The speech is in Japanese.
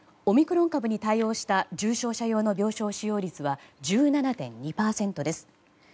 オミクロン株に対応した重症者用の病床使用率は１７．２％です。